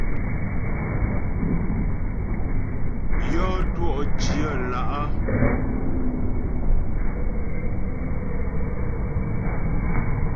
Yɔ́ twɔ̂'dyə̌ lá'.